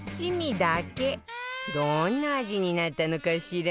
どんな味になったのかしら？